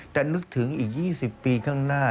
แต่นึกถึงอีก๒๐ปีข้างหน้า